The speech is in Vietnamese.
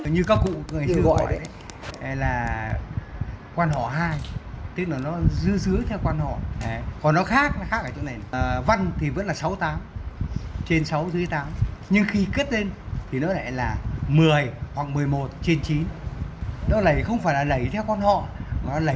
như các cụ người xưa gọi đấy là quan hòa hai